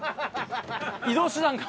移動手段が。